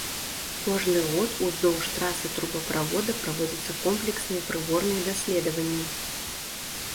Кожны год уздоўж трасы трубаправода праводзяцца комплексныя прыборныя даследаванні.